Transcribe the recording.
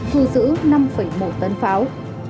thu giữ năm một tấn pháo